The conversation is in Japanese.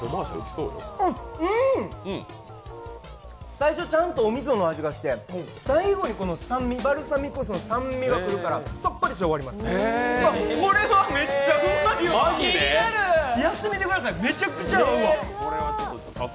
最初、ちゃんとおみその味がして、最後に酸味、バルサミコ酢の酸味が来るからさっぱりして終わります。